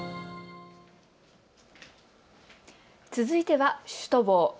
続いてはシュトボー。